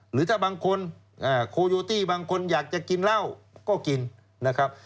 หรือถ้าบางคนโคโยตี้บางคนอยากจะกินเหล้าก็กินนะครับ